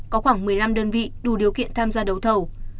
có khoảng một mươi năm đơn vị đủ điều kiện tham gia đấu thầu